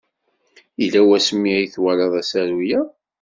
Yella wasmi ay twalaḍ asaru-a?